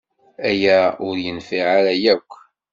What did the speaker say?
Aya ur yenfiɛ ara akk.